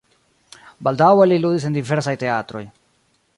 Baldaŭe li ludis en diversaj teatroj.